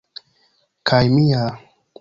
kaj mia